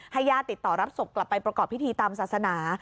ญาติติดต่อรับศพกลับไปประกอบพิธีตามศาสนา